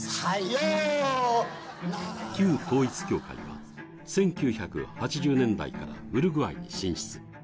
旧統一教会は１９８０年代からウルグアイに進出。